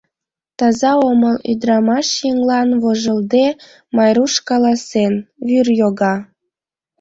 — Таза омыл, — ӱдырамаш еҥлан, вожылде, Майруш каласен, — вӱр йога...